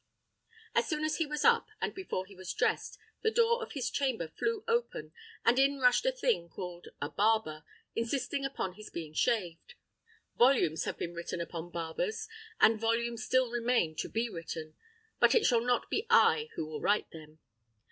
As soon as he was up, and before he was dressed, the door of his chamber flew open, and in rushed a thing called a barber, insisting upon his being shaved. Volumes have been written upon barbers, and volumes still remain to be written, but it shall not be I who will write them.